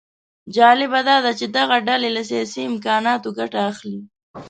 جالبه داده چې دغه ډلې له سیاسي امکاناتو ګټه اخلي